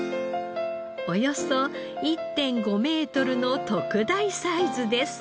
およそ１．５メートルの特大サイズです。